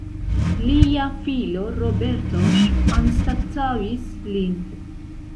Lia filo Roberto anstataŭis lin.